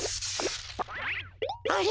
あれ！？